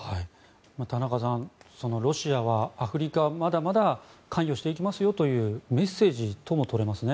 田中さん、ロシアはアフリカはまだまだ関与していきますよというメッセージとも取れますね。